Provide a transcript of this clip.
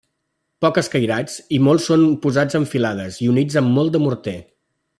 Poc escairats o molts són posats en filades i units amb molt de morter.